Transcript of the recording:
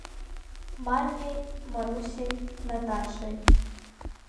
Маниеи, Марусиеи, Наташеи.